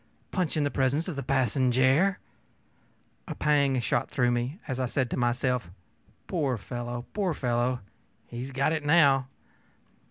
Punch in the presence of the passenjare!ö A pang shot through me as I said to myself, ōPoor fellow, poor fellow! he has got it, now.